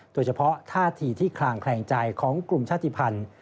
โดยเฉพาะท่าทีที่คลางแคลงใจของกลุ่มชาติภัณฑ์